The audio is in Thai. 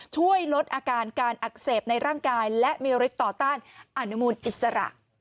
ช่วยลดอาการการอักเสบในร่างกายและมีฤทธิต่อต้านอนุมูลอิสระ